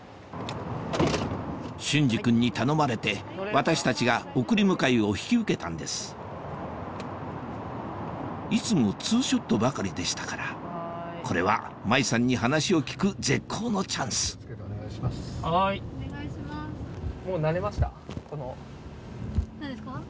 隼司君に頼まれて私たちが送り迎えを引き受けたんですいつもツーショットばかりでしたからこれは麻衣さんに話を聞く絶好のチャンスお願いします。